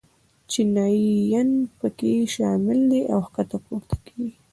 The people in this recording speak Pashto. چینایي ین په کې شامل دي او ښکته پورته کېږي.